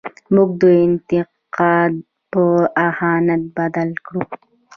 موږ انتقاد په اهانت بدل کړو.